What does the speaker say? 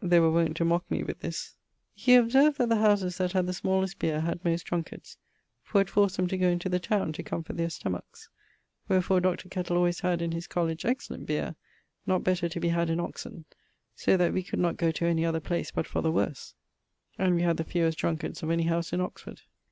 [VII.] They were wont to mock me with this. He observed that the howses that had the smallest beer had most drunkards, for it forced them to goe into the town to comfort their stomachs; wherfore Dr. Kettle alwayes had in his College excellent beer, not better to be had in Oxon; so that we could not goe to any other place but for the worse, and we had the fewest drunkards of any howse in Oxford.